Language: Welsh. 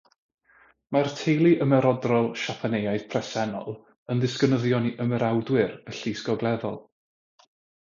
Mae'r Teulu Ymerodrol Siapaneaidd presennol yn ddisgynyddion i ymerawdwyr y Llys Gogleddol.